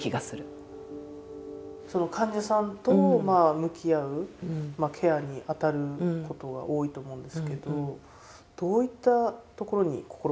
その患者さんと向き合うケアに当たることが多いと思うんですけどどういったところに心がけてるんですか？